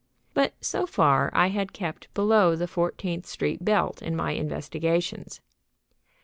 But so far I had kept below the Fourteenth Street belt in my investigations.